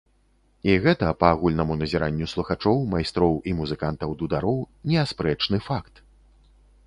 І гэта, па агульнаму назіранню слухачоў, майстроў і музыкантаў-дудароў, неаспрэчны факт!